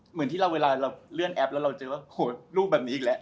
เหมือนที่เราเวลาเราเลื่อนแอปแล้วเราเจอว่ารูปแบบนี้อีกแล้ว